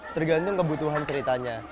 tergantung kebutuhan ceritanya